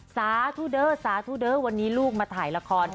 สาทูเดอร์สาทูเดอร์วันนี้ลูกมาถ่ายละคร